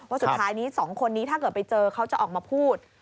สุดท้ายนี้๒คนนี้ถ้าเกิดไปเจอเขาจะออกมาพูด